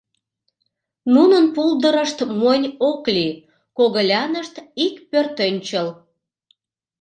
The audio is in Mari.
Нунын пулдырышт монь ок лий, когылянышт ик пӧртӧнчыл.